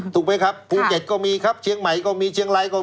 ถูกไหมครับภูเก็ตก็มีครับเชียงใหม่ก็มีเชียงรายก็มี